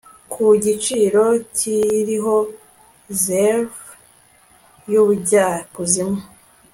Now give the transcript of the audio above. Ku giciro kiriho zephyrs zubujyakuzimu